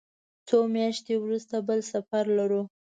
څو میاشتې وروسته بل سفر لرو.